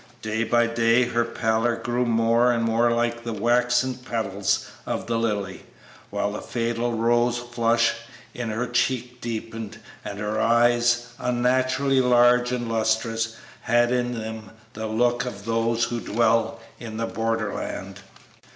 Day by day her pallor grew more and more like the waxen petals of the lily, while the fatal rose flush in her cheek deepened, and her eyes, unnaturally large and lustrous, had in them the look of those who dwell in the borderland.